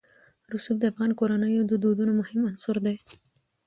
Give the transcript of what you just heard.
رسوب د افغان کورنیو د دودونو مهم عنصر دی.